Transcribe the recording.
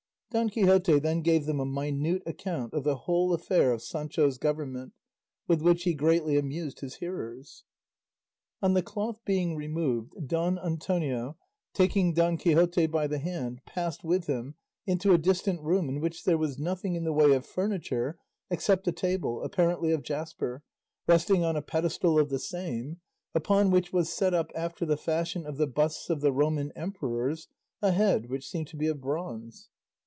Don Quixote then gave them a minute account of the whole affair of Sancho's government, with which he greatly amused his hearers. On the cloth being removed Don Antonio, taking Don Quixote by the hand, passed with him into a distant room in which there was nothing in the way of furniture except a table, apparently of jasper, resting on a pedestal of the same, upon which was set up, after the fashion of the busts of the Roman emperors, a head which seemed to be of bronze.